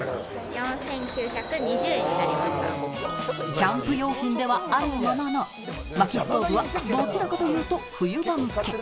キャンプ用品ではあるものの、薪ストーブはどちらかというと冬場向け。